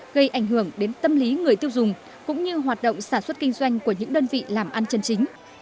gây ảnh hưởng đến tâm lý người tiêu dùng cũng như hoạt động sản xuất kinh doanh của những đơn vị làm ăn chân chính